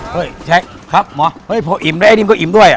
เฮ้ยใช่ครับหมอเฮ้ยพออิ่มแล้วไอ้นิ่มก็อิ่มด้วยอ่ะ